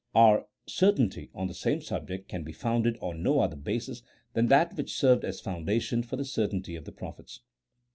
Our certainty on the same subject can be founded on no other basis than that which served as foundation for the certainty of the prophets.